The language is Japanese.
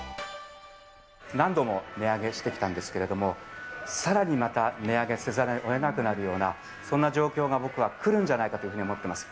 何度も値上げしてきたんですけれども、さらにまた値上げせざるをえなくなるようなそんな状況が僕は来るんじゃないかというふうに思っています。